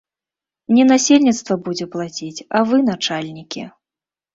Не насельніцтва будзе плаціць, а вы, начальнікі.